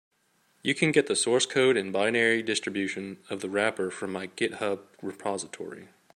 You can get the source code and binary distribution of the wrapper from my GitHub repository.